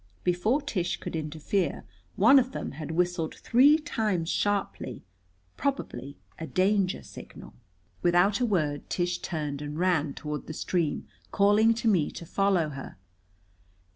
Before Tish could interfere one of them had whistled three times sharply, probably a danger signal. Without a word Tish turned and ran toward the stream, calling to me to follow her.